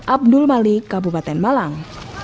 abdul malik kabupaten malang